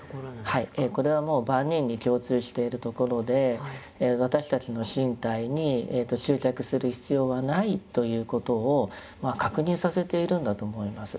これはもう万人に共通しているところで「私たちの身体に執着する必要はない」ということを確認させているんだと思います。